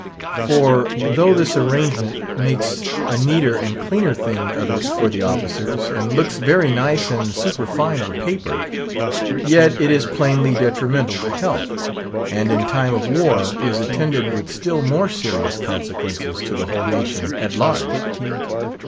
For, though this arrangement makes a neater and cleaner thing of it for the officers, and looks very nice and superfine on paper; yet it is plainly detrimental to health; and in time of war is attended with still more serious consequences to the whole nation at large.